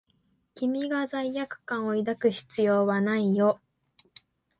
君が罪悪感を抱く必要はないよ。